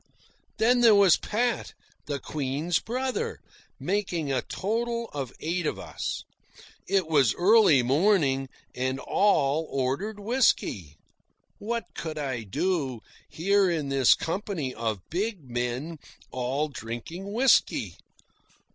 Then there was Pat, the Queen's brother, making a total of eight of us. It was early morning, and all ordered whisky. What could I do, here in this company of big men, all drinking whisky?